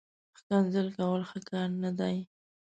ښکنځل کول، ښه کار نه دئ